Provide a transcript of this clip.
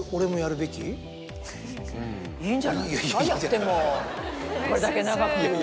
やってもこれだけ長く。